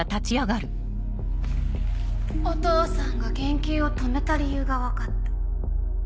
お父さんが研究を止めた理由が分かった。